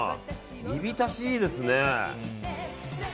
煮びたし、いいですね。